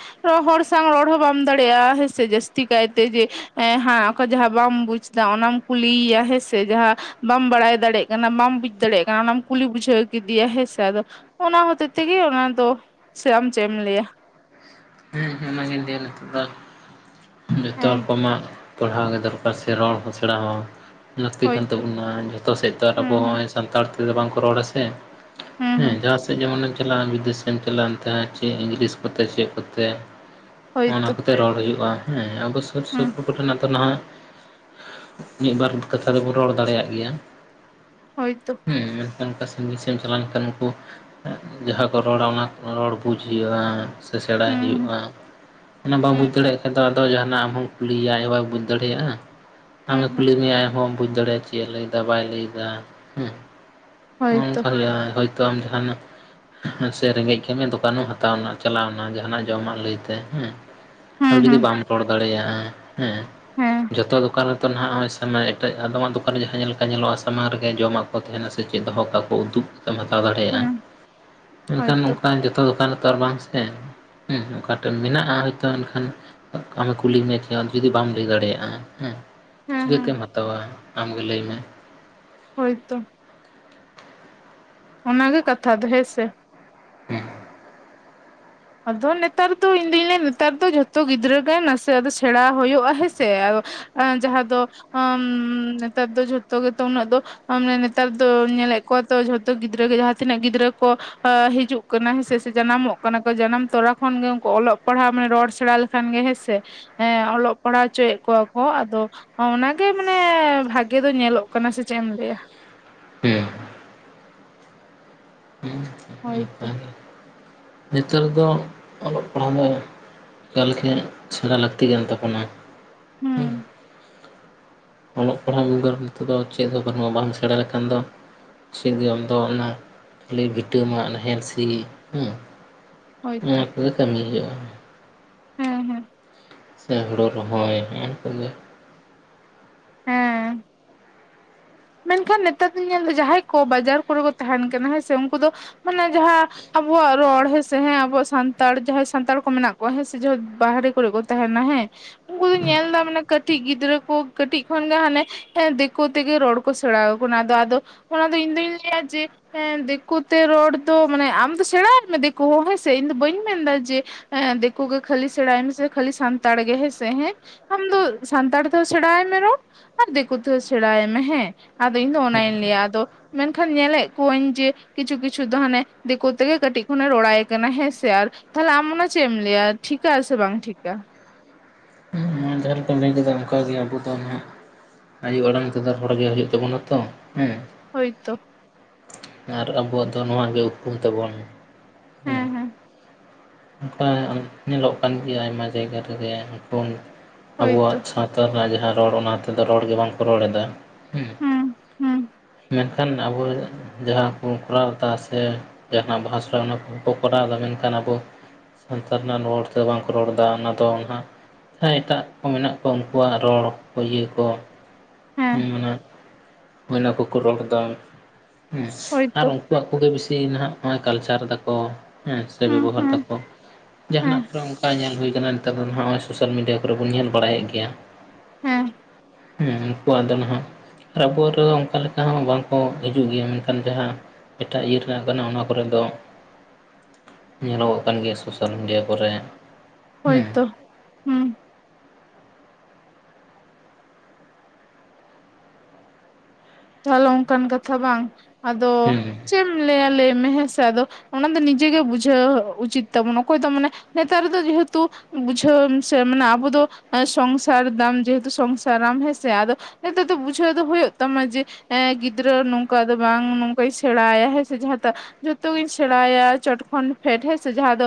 [SPEAKER 1] ᱦᱚᱲ ᱥᱟᱝ ᱨᱚᱲ ᱦᱚᱸ ᱵᱟᱢ ᱫᱟᱲᱮᱭᱟᱜᱼᱟ, ᱦᱮᱸᱥᱮ ᱡᱟᱹᱥᱛᱤ ᱠᱟᱭᱛᱮ ᱡᱮ ᱮᱸᱦᱟᱸ ᱡᱟᱦᱟᱸ ᱵᱟᱢ ᱵᱩᱡ ᱫᱟ ᱚᱱᱟᱢ ᱠᱩᱞᱤᱭᱼᱭᱟ ᱦᱮᱸᱥᱮ ᱡᱟᱦᱟᱸ ᱵᱟᱢ ᱵᱟᱲᱟᱭ ᱫᱟᱲᱮᱜ ᱠᱟᱱᱟ ᱵᱟᱢ ᱵᱩᱡ ᱫᱟᱲᱮᱭᱟᱜ ᱠᱟᱱᱟ, ᱚᱱᱟᱢ ᱠᱩᱞᱤ ᱵᱩᱡᱷᱟᱹᱣ ᱠᱮᱫᱮᱭᱟ ᱦᱮᱸᱥᱮ ᱟᱫᱚ ᱚᱱᱟ ᱦᱚᱛᱮ ᱛᱮᱜᱮ ᱚᱱᱟ ᱫᱚ ᱥᱮ ᱟᱢ ᱪᱮᱜ ᱮᱢ ᱞᱟᱹᱭᱟ?
[SPEAKER 2] ᱦᱮᱸᱻᱦᱢ ᱚᱱᱟ ᱜᱤᱧ ᱞᱟᱹᱭᱟ ᱱᱤᱡᱥᱥ, ‌ ᱡᱚᱛᱚ
[SPEAKER 1] ᱦᱮᱸ
[SPEAKER 2] ᱨᱚᱠᱚᱢᱟᱜ ᱯᱟᱲᱦᱟᱣ ᱜᱮ ᱫᱚᱨᱠᱟᱨ ᱥᱮ ᱨᱚᱲ ᱦᱚᱸ ᱥᱮᱬᱟ ᱦᱚᱸ᱾ ᱞᱟᱹᱠᱛᱤ ᱠᱟᱱ
[SPEAKER 1] ᱦᱳᱭᱛᱚ
[SPEAKER 2] ᱛᱟᱵᱚᱱᱟ ᱡᱷᱚᱛᱚ ᱥᱮᱫ ᱛᱚ ᱟᱵᱚ
[SPEAKER 1] ᱦᱩᱸ ᱦᱩᱸ
[SPEAKER 2] ᱦᱚᱜᱼᱚᱭ ᱥᱟᱱᱛᱟᱲ ᱛᱮᱫᱚ ᱵᱟᱝᱠᱚ ᱨᱚᱲᱟ ᱥᱮ ᱾
[SPEAKER 1] ᱦᱩᱸ
[SPEAKER 2] ᱦᱮᱸ
[SPEAKER 1] ᱦᱩᱸ
[SPEAKER 2] ᱡᱟᱦᱟᱸᱥᱮᱫ ᱡᱮᱢᱚᱱᱮ ᱮᱢ ᱪᱟᱞᱟᱜᱼᱟ, ᱵᱤᱫᱮᱥᱮᱢ ᱪᱟᱞᱟᱜᱼᱟ ᱚᱱᱛᱮ ᱦᱚᱸ ᱪᱮᱫ ᱤᱝᱞᱤᱥ ᱠᱚᱛᱮ ᱪᱮᱫ ᱠᱚᱛᱮ ᱚᱱᱟ
[SPEAKER 1] ᱦᱳᱭᱛᱚ
[SPEAKER 2] ᱠᱚᱛᱮ ᱨᱚᱲ ᱦᱩᱭᱩᱜᱼᱟ, ᱦᱮᱸ ᱟᱵᱚ ᱥᱩᱨ
[SPEAKER 1] ᱦᱩᱸ
[SPEAKER 2] ᱥᱩᱯᱩᱨ ᱠᱚᱨᱮᱱᱟᱜ ᱫᱚ ᱱᱟᱦᱚᱭ ᱢᱤᱫᱵᱟᱨ ᱠᱟᱛᱷᱟ ᱛᱚᱵᱚᱱ ᱨᱚᱲ ᱫᱟᱲᱮᱭᱟᱜ ᱜᱮᱭᱟ ᱾
[SPEAKER 1] ᱦᱳᱭᱛᱳ
[SPEAKER 2] ᱦᱮᱸ ᱢᱮᱱᱠᱷᱟᱱ ᱚᱱᱠᱟ ᱥᱟᱺᱜᱤᱧ ᱥᱮᱫ ᱮᱢ ᱪᱟᱞᱟᱣ ᱞᱮᱱᱠᱷᱟᱱ ᱩᱱᱠᱩ ᱡᱟᱦᱟᱸ ᱠᱚ ᱨᱚᱲᱟ ᱚᱱᱟ ᱠᱚ ᱨᱚᱲ ᱵᱩᱡᱽ ᱦᱩᱭᱩᱜᱼᱟ ᱥᱮ ᱥᱮᱬᱟᱭ
[SPEAKER 1] ᱦᱩᱸ ᱦᱩᱸ
[SPEAKER 2] ᱦᱩᱭᱩᱜᱼᱟ ᱚᱱᱟ ᱵᱟᱢ
[SPEAKER 1] ᱦᱩᱸ
[SPEAKER 2] ᱵᱩᱡᱽ ᱫᱟᱲᱮᱭᱟᱜ ᱠᱷᱟᱡ ᱫᱚ ᱟᱫᱚ ᱡᱟᱦᱟᱱᱟᱜ ᱟᱢᱦᱚᱸ ᱠᱩᱞᱤᱭᱮᱭᱟ ᱟᱡ ᱦᱚᱸ ᱵᱟᱭ ᱵᱩᱡᱽ ᱫᱟᱲᱮᱭᱟᱜᱼᱟ
[SPEAKER 1] ᱦᱩᱸ
[SPEAKER 2] ᱟᱢᱮ
[SPEAKER 1] ᱦᱩᱸ
[SPEAKER 2] ᱠᱩᱞᱤ ᱢᱮᱭᱟ ᱟᱡ ᱦᱚᱸ ᱵᱟᱢ ᱵᱩᱡᱽ ᱫᱟᱲᱮᱭᱟᱜ ᱟ ᱪᱮᱫ ᱞᱟᱹᱭᱫᱟ ᱵᱟᱭ ᱞᱟᱹᱭᱫᱟ ᱦᱮᱸ ᱱᱚᱜᱼᱚᱭ
[SPEAKER 1] ᱦᱳᱭᱛᱚ
[SPEAKER 2] ᱱᱚᱝᱠᱟ ᱡᱟᱦᱟᱸ ᱦᱳᱭᱛᱳ ᱟᱢ ᱡᱟᱦᱟᱱᱟᱜ ᱦᱮᱸᱥᱮ ᱨᱮᱸᱜᱮᱡ ᱠᱮᱜᱢᱮᱭᱟ ᱫᱚᱠᱟᱱᱮᱢ ᱦᱟᱛᱟᱣᱱᱟ ᱪᱟᱞᱟᱣᱱᱟ ᱡᱟᱦᱟᱸᱱᱟᱜ ᱡᱚᱢᱟᱜ ᱞᱟᱹᱭᱛᱮ ᱦᱮᱸ ᱟᱨ
[SPEAKER 1] ᱦᱩᱸ
[SPEAKER 2] ᱡᱩᱫᱤ
[SPEAKER 1] ᱦᱩᱸ
[SPEAKER 2] ᱵᱟᱢ ᱨᱚᱲ ᱫᱟᱲᱮᱭᱟᱜᱼᱟ ᱦᱮᱸ
[SPEAKER 1] ᱦᱮᱸ
[SPEAKER 2] ᱡᱚᱛᱚ ᱫᱚᱠᱟᱱ ᱨᱮ ᱱᱤᱛᱚ ᱱᱟᱦᱟᱜ ᱦᱚᱭ ᱥᱟᱢᱟᱭ ᱤᱴᱟᱹᱜ ᱟᱫᱚᱢᱟᱜ ᱫᱚᱠᱟᱱ ᱨᱮ ᱡᱟᱦᱟᱸ ᱧᱮᱞ ᱞᱮᱠᱟ ᱧᱮᱞᱚᱜᱼᱟ ᱥᱟᱢᱟᱝ ᱨᱮᱜᱮ ᱡᱚᱢᱟᱜ ᱠᱚ ᱛᱟᱦᱮᱱᱟ ᱥᱮ ᱪᱮᱫ ᱦᱚᱸ ᱠᱟᱠᱚᱫᱩᱛ ᱛᱚᱢ ᱦᱟᱛᱟᱣ ᱫᱟᱲᱮᱭᱟᱜᱼᱟ
[SPEAKER 1] ᱦᱩᱸ
[SPEAKER 2] ᱢᱮᱱᱠᱷᱟᱱ
[SPEAKER 1] ᱦᱳᱭᱛᱚ
[SPEAKER 2] ᱚᱱᱠᱟ ᱡᱚᱛᱚ ᱫᱚᱠᱟᱱ ᱨᱮ ᱛᱚ ᱟᱨ ᱵᱟᱝ ᱥᱮ ᱦᱮᱸ ᱚᱠᱟᱴᱟᱜ ᱢᱮᱱᱟᱜᱼᱟ ᱦᱚᱭᱛᱳ ᱮᱱᱠᱷᱟᱱ ᱟᱢᱮ ᱠᱩᱞᱤ ᱢᱮᱭᱟ ᱡᱩᱫᱤ ᱵᱟᱢ ᱞᱟᱹᱭ ᱫᱟᱲᱮᱭᱟᱜᱼᱟ ᱦᱮᱸ
[SPEAKER 1] ᱦᱮᱸ
[SPEAKER 2] ᱪᱤᱠᱟᱹᱛᱮᱢ
[SPEAKER 1] ᱦᱮᱸ
[SPEAKER 2] ᱦᱟᱛᱟᱣᱟ ᱟᱢ ᱜᱮ ᱞᱟᱹᱭᱢᱮ
[SPEAKER 1] ᱦᱳᱭᱛᱚ ᱚᱱᱟᱜᱮ ᱠᱟᱛᱷᱟ ᱫᱚ ᱦᱮ ᱥᱮ
[SPEAKER 2] ᱦᱮᱸ
[SPEAKER 1] ᱟᱫᱚ ᱱᱮᱛᱟᱨ ᱫᱚ ᱤᱧᱫᱩᱧ ᱞᱟᱹᱭᱼᱟ ᱱᱮᱛᱟᱨ ᱫᱚ ᱡᱷᱚᱛᱚ ᱜᱤᱫᱽᱨᱟᱹ ᱜᱮ ᱱᱟᱥᱮ ᱟᱫᱚ ᱥᱮᱬᱟ ᱦᱳᱭᱳᱜᱼᱟ ᱦᱮᱸᱥᱮ ᱡᱟᱦᱟᱸ ᱫᱚ ᱟᱸᱻ ᱱᱮᱛᱟᱨ ᱫᱚ ᱡᱷᱚᱛᱚ ᱜᱮᱛᱚ ᱩᱱᱟᱹᱜ ᱫᱚ ᱟᱢᱱᱮ ᱱᱮᱛᱟᱨ ᱫᱚ ᱧᱮᱞᱮᱫ ᱠᱚᱣᱟ ᱛᱚ ᱡᱷᱚᱛᱚ ᱜᱤᱫᱽᱨᱟᱹ ᱡᱟᱦᱟᱸ ᱛᱤᱱᱟᱹᱜ ᱜᱤᱫᱽᱨᱟᱹ ᱠᱚ ᱦᱤᱡᱩᱜ ᱠᱟᱱᱟ ᱦᱮᱸᱥᱮ ᱡᱟᱱᱟᱢᱚᱜ ᱠᱟᱱᱟ ᱡᱟᱱᱟᱢ ᱛᱚᱨᱟ ᱠᱷᱚᱱᱜᱮ ᱩᱱᱠᱩ ᱚᱞᱚᱜ ᱯᱟᱲᱦᱟᱣ ᱢᱟᱱᱮ ᱨᱚᱲ ᱥᱮᱬᱟ ᱞᱮᱠᱷᱟᱱ ᱜᱮ ᱦᱮᱸ ᱥᱮ ᱦᱮᱸ ᱚᱞᱚᱜ ᱯᱟᱲᱦᱟᱣ ᱦᱚᱪᱚᱭᱮᱫ ᱠᱚᱣᱟ ᱠᱚ ᱟᱫᱚ ᱚᱱᱟᱜᱮ ᱢᱟᱱᱮ ᱵᱷᱟᱜᱮ ᱫᱚ ᱧᱮᱞᱚᱜ ᱠᱟᱱᱟ ᱥᱮ ᱪᱮᱫ ᱮᱢ ᱞᱟᱹᱭᱟ
[SPEAKER 2] ᱦᱩᱸ ᱮ
[SPEAKER 1] ᱦᱳᱭᱛᱚ
[SPEAKER 2] [unintelligible] ᱱᱮᱛᱟᱨ ᱫᱚ ᱚᱞᱚᱜ ᱯᱟᱲᱦᱟᱣ ᱢᱟᱹᱭ ᱮᱠᱟᱞ ᱜᱮ ᱥᱮᱬᱟ ᱞᱟᱹᱠᱛᱤ ᱠᱟᱱ ᱛᱟᱵᱚᱱᱟ
[SPEAKER 1] ᱦᱩᱸ
[SPEAKER 2] ᱚᱞᱚᱜ ᱯᱟᱲᱦᱟᱜ ᱵᱮᱜᱚᱨ ᱱᱤᱛᱚᱜ ᱫᱚ ᱪᱮᱫ ᱦᱚᱸ ᱵᱟᱹᱱᱩᱜᱼᱟ ᱵᱟᱢ ᱥᱮᱬᱟ ᱞᱮᱠᱷᱟᱱ ᱫᱚ ᱥᱤᱨᱡᱚᱱ ᱫᱚ ᱚᱱᱟ ᱠᱷᱟᱹᱞᱤ ᱵᱷᱤᱴᱟᱹ ᱢᱟᱜ ᱱᱟᱦᱮᱞ ᱥᱤ ᱱᱚᱣᱟ
[SPEAKER 1] ᱦᱳᱭᱛᱚ
[SPEAKER 2] ᱠᱚᱜᱮ ᱠᱟᱹᱢᱤ ᱦᱩᱭᱩᱜᱼᱟ
[SPEAKER 1] ᱦᱮᱸᱻᱦᱮᱸᱻ
[SPEAKER 2] ᱥᱮ ᱦᱩᱲᱩ ᱨᱚᱦᱚᱭ ᱱᱚᱜᱼᱚᱭ ᱠᱚᱜᱮ
[SPEAKER 1] ᱦᱮᱸ ᱢᱮᱱᱠᱷᱟᱱ ᱱᱮᱛᱟᱨ ᱫᱤᱧ ᱧᱮᱞᱫᱟ ᱡᱟᱦᱟᱸᱭ ᱠᱚ ᱵᱟᱡᱟᱨ ᱠᱚᱨᱮ ᱠᱚ ᱛᱟᱦᱮᱱ ᱠᱟᱱᱟ ᱦᱮᱸ ᱥᱮ ᱩᱱᱠᱩ ᱫᱚ ᱢᱟᱱᱮ ᱡᱟᱦᱟᱸ ᱟᱵᱚᱣᱟᱜ ᱨᱚᱲ ᱦᱮᱸᱥᱮ ᱦᱮᱸ ᱟᱵᱚᱣᱟᱜ ᱥᱟᱱᱛᱟᱲ ᱡᱟᱦᱟᱸᱭ ᱥᱟᱱᱛᱟᱲ ᱠᱚ ᱢᱮᱱᱟᱜ ᱠᱚᱣᱟ ᱦᱮᱸ ᱥᱮ ᱡᱟᱦᱟᱸ ᱵᱟᱦᱨᱮ ᱠᱚᱨᱮ ᱠᱚ ᱛᱟᱦᱮᱱᱟ ᱦᱮᱸ ᱩᱱᱠᱩ ᱫᱚᱧ ᱧᱮᱞ ᱮᱫᱟ ᱢᱟᱱᱮ ᱠᱟᱹᱴᱤᱡ ᱜᱤᱫᱽᱨᱟᱹ ᱠᱚ ᱠᱟᱹᱴᱤᱡ ᱠᱷᱚᱱ ᱜᱮ ᱦᱟᱱᱮ ᱫᱤᱠᱩ ᱛᱮᱜᱮ ᱨᱚᱲ ᱠᱚ ᱥᱮᱬᱟᱣ ᱟᱠᱚ ᱚᱱᱟ ᱟᱫᱚ ᱟᱫᱚ ᱚᱱᱟ ᱫᱚ ᱤᱧ ᱫᱩᱧ ᱞᱟᱹᱭᱟ ᱡᱮ ᱦᱮᱸ ᱫᱤᱠᱩ ᱛᱮ ᱨᱚᱲ ᱫᱚ ᱢᱟᱱᱮ ᱟᱢ ᱫᱚ ᱥᱮᱬᱟᱭ ᱢᱮ ᱫᱤᱠᱩ ᱦᱚᱸ ᱦᱮᱸᱥᱮ ᱤᱧ ᱫᱚ ᱵᱟᱹᱧ ᱢᱮᱱᱫᱟ ᱡᱮ ᱫᱤᱠᱳ ᱜᱮ ᱠᱷᱟᱹᱞᱤ ᱥᱮᱬᱟᱭ ᱢᱮ ᱥᱮ ᱠᱷᱟᱹᱞᱤ ᱥᱟᱱᱛᱟᱲ ᱜᱮ ᱦᱮᱸ ᱥᱮ ᱦᱮᱸ ᱟᱢ ᱫᱚ ᱥᱟᱱᱛᱟᱲ ᱛᱮᱦᱚᱸ ᱥᱮᱬᱟᱭ ᱢᱮ ᱨᱚᱲ ᱟᱨ ᱫᱤᱠᱩ ᱛᱮᱦᱚᱸ ᱥᱮᱬᱟᱭ ᱢᱮ ᱦᱮᱸ ᱟᱫᱚ ᱤᱧ ᱫᱚ ᱚᱱᱟᱧ ᱞᱟᱹᱭᱟ ᱟᱫᱚ ᱢᱮᱱᱠᱷᱟᱱ ᱧᱮᱞᱮᱫ ᱠᱚᱣᱟᱹᱧ ᱡᱮ ᱠᱤᱪᱷᱩ ᱠᱤᱪᱷᱩ ᱫᱚ ᱦᱟᱱᱮ ᱫᱤᱠᱩ ᱛᱮᱜᱮ ᱠᱟᱹᱴᱤᱡ ᱠᱷᱚᱱᱮ ᱨᱚᱲᱟᱭ ᱠᱟᱱᱟ ᱦᱮᱸᱥᱮ ᱟᱨ ᱛᱟᱦᱞᱮ ᱟᱢ ᱚᱱᱟ ᱪᱮᱫ ᱮᱢ ᱞᱟᱹᱭᱟ ᱴᱷᱤᱠᱟ ᱟ ᱥᱮ ᱵᱟᱝ ᱴᱷᱤᱠᱟ
[SPEAKER 2] ᱡᱟᱦᱟᱸ ᱞᱮᱠᱟᱢ ᱞᱟᱹᱭ ᱠᱮᱫᱟ ᱚᱱᱠᱟ ᱜᱮ ᱟᱵᱚ ᱫᱚ ᱦᱟᱸᱜ ᱟᱭᱩ ᱟᱲᱟᱝ ᱛᱮᱫᱚ ᱨᱚᱲ ᱜᱮ ᱦᱩᱭᱩᱜ ᱛᱟᱵᱚᱱᱟ ᱛᱚ ᱦᱮᱸ
[SPEAKER 1] ᱦᱳᱭᱛᱚ
[SPEAKER 2] ᱟᱨ ᱟᱵᱚᱣᱟᱜ ᱫᱚ ᱱᱚᱣᱟᱜᱮ ᱩᱯᱨᱩᱢ ᱛᱟᱵᱚᱱ ᱦᱮᱸ ᱚᱱᱠᱟ ᱧᱮᱞᱚᱜ ᱠᱟᱱ ᱜᱮᱭᱟ ᱟᱭᱢᱟ ᱡᱟᱭᱜᱟ ᱨᱮᱜᱮ ᱩᱱᱠᱩ ᱟᱵᱚᱣᱟᱜ
[SPEAKER 1] ᱦᱳᱭᱛᱚ
[SPEAKER 2] ᱥᱟᱶᱛᱟ ᱨᱮᱱᱟᱜ ᱡᱟᱦᱟᱸ ᱨᱚᱲ ᱚᱱᱟ ᱛᱮᱫᱚ ᱨᱚᱲ ᱵᱟᱝᱠᱚ ᱨᱚᱲ ᱮᱫᱟ
[SPEAKER 1] ᱦᱩᱸ ᱦᱩᱸ
[SPEAKER 2] ᱢᱮᱱᱠᱷᱟᱱ ᱟᱵᱚ ᱡᱟᱦᱟᱸ ᱠᱚ ᱠᱚᱨᱟᱣ ᱮᱫᱟ ᱥᱮ ᱡᱟᱦᱟᱱᱟᱜ ᱵᱟᱦᱟ ᱥᱚᱦᱨᱟᱭ ᱚᱱᱟ ᱠᱚ ᱠᱚ ᱠᱚᱨᱟᱣ ᱮᱫᱟ ᱢᱮᱱᱠᱷᱟᱱ ᱟᱵᱚ ᱥᱟᱱᱛᱟᱲ ᱨᱮᱱᱟᱜ ᱨᱚᱲ ᱛᱮ ᱵᱟᱝᱠᱚ ᱨᱚᱲ ᱮᱫᱟ ᱚᱱᱟ ᱫᱚ ᱱᱟᱦᱟᱜ ᱦᱮᱸ ᱮᱴᱟᱜ ᱠᱚ ᱢᱮᱱᱟᱜ ᱠᱚᱣᱟ ᱩᱝᱠᱩᱣᱟᱜ ᱨᱚᱲ ᱠᱚ ᱤᱭᱟᱹ ᱠᱚ
[SPEAKER 1] ᱦᱮᱸ
[SPEAKER 2] ᱦᱩᱸ ᱚᱱᱟ, ᱚᱱᱟ ᱠᱚᱠᱚ ᱨᱚᱲ ᱮᱫᱟ ᱦᱮᱸ ᱟᱨ
[SPEAKER 1] ᱦᱳᱭᱛᱚ
[SPEAKER 2] ᱩᱱᱠᱩ [unintelligible] ᱠᱚᱜᱮ ᱵᱤᱥᱤ ᱢᱮᱱᱟᱜ ᱵᱚᱱᱟ ᱠᱟᱞᱪᱟᱨ ᱮᱫᱟᱠᱚ ᱦᱮᱸ ᱥᱮ
[SPEAKER 1] ᱦᱩᱸ
[SPEAKER 2] ᱵᱮᱵᱚᱦᱟᱨ
[SPEAKER 1] ᱦᱩᱸ
[SPEAKER 2] ᱫᱟᱠᱚ ᱡᱟᱦᱟᱱᱟᱜ
[SPEAKER 1] ᱦᱮᱸ
[SPEAKER 2] ᱠᱚᱨᱮ ᱚᱝᱠᱟ ᱧᱮᱞ ᱦᱩᱭ ᱠᱟᱱᱟ ᱱᱮᱛᱟᱨ ᱫᱚ ᱱᱚᱜ-ᱚᱭ ᱥᱳᱥᱟᱞ ᱢᱤᱰᱤᱭᱟ ᱠᱚᱨᱮ ᱵᱚᱱ ᱧᱮᱞ ᱵᱟᱲᱟᱭᱮᱫ ᱜᱮᱭᱟ
[SPEAKER 1] ᱦᱮᱸ
[SPEAKER 2] ᱦᱮᱸ ᱩᱱᱠᱩᱣᱟᱜ ᱫᱚ ᱱᱟᱦᱟᱜ ᱟᱨ ᱟᱵᱚᱣᱟᱜ ᱨᱮ ᱚᱱᱠᱟ ᱞᱮᱠᱟ ᱦᱚᱸ ᱵᱟᱝᱠᱚ ᱦᱤᱡᱩᱜ ᱜᱮᱭᱟ ᱢᱮᱱᱠᱷᱟᱱ ᱡᱟᱦᱟᱸ ᱮᱴᱟᱜ ᱤᱭᱟᱹ ᱨᱮᱱᱟᱜ ᱠᱟᱱᱟ ᱚᱱᱟ ᱠᱚᱨᱮ ᱫᱚ ᱧᱮᱞᱚᱜᱚᱜ ᱠᱟᱱ ᱜᱮᱭᱟ ᱥᱳᱥᱟᱞ ᱢᱤᱰᱤᱭᱟ ᱠᱚᱨᱮ ᱦᱮᱸ
[SPEAKER 1] ᱦᱳᱭᱛᱳ ᱦᱩᱸ ᱛᱟᱦᱞᱮ ᱚᱝᱠᱟᱱ ᱠᱟᱛᱷᱟ ᱵᱟᱝ ᱟᱫᱚ
[SPEAKER 2] ᱦᱮᱸ
[SPEAKER 1] ᱪᱮᱫ ᱮᱢ ᱞᱟᱹᱭᱟ ᱞᱟᱹᱭ ᱢᱮ ᱦᱮᱸ ᱥᱮ ᱟᱫᱚ ᱚᱱᱟ ᱫᱚ ᱱᱤᱡᱮ ᱜᱮ ᱵᱩᱡᱷᱟᱹᱣ ᱩᱪᱤᱛ ᱛᱟᱵᱚᱱ ᱚᱠᱚᱭ ᱫᱚ ᱢᱟᱱᱮ ᱱᱮᱛᱟᱨ ᱫᱚ ᱡᱮᱦᱮᱛᱩ ᱵᱩᱡᱷᱟᱹᱣᱮᱢ ᱥᱮ ᱢᱟᱱᱮ ᱟᱵᱚ ᱫᱚ ᱥᱚᱝᱥᱟᱨ ᱫᱟᱢ ᱡᱮᱦᱮᱛᱩ ᱥᱚᱝᱥᱟᱨᱟᱢ ᱦᱮᱸᱥᱮ ᱟᱫᱚ ᱱᱮᱛᱟᱨ ᱫᱚ ᱵᱩᱡᱷᱟᱹᱣ ᱫᱚ ᱦᱩᱭᱩᱜ ᱛᱟᱢᱟ ᱡᱮ ᱮᱸ, ᱜᱤᱫᱽᱨᱟᱹ ᱱᱚᱝᱠᱟ ᱫᱚ ᱵᱟᱝ ᱱᱚᱝᱠᱟᱭ ᱥᱮᱬᱟᱭ ᱟ ᱦᱮᱸ ᱥᱮ ᱡᱟᱦᱟᱸᱴᱟᱜ ᱡᱚᱛᱚᱜᱤᱧ ᱥᱮᱬᱟᱭᱟ ᱪᱚᱴᱠᱷᱚᱱ ᱯᱷᱮᱰ ᱦᱮᱸᱥᱮ ᱡᱟᱦᱟᱸ ᱫᱚ